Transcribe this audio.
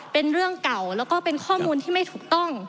เป็นเรื่องเก่าแล้วก็เป็นข้อมูลที่ไม่ถูกต้อง